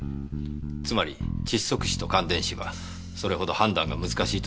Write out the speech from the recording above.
つまり窒息死と感電死はそれほど判断が難しいということですよ。